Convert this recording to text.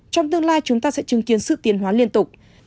trong tương lai chúng ta sẽ chứng kiến sự tiền hóa liên tục